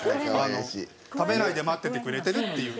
食べないで待っててくれてるっていう。